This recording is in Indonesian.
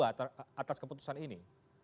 atas keputusan ini